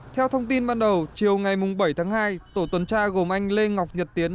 theo thông tin ban đầu chiều ngày bảy tháng hai tổ tuần tra gồm anh lê ngọc nhật tiến